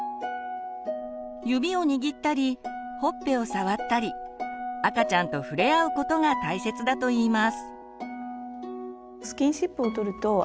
指を握ったりほっぺを触ったり赤ちゃんと触れ合うことが大切だといいます。